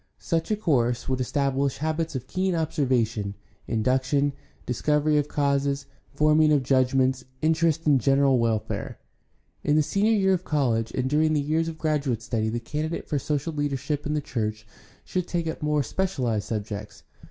Such a course would establish habits of keen observation, induction, discovery of causes, forming of judgments, interest in general welfare. In the Senior year of college and during the years of graduate study the candidate for social leader ship in the church should take up more specialized subjects.